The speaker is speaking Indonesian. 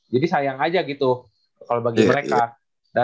jadi sayang aja gitu kalau bagi mereka